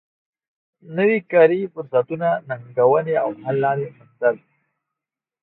نوی کاري فرصتونه ننګونې او حل لارې موندل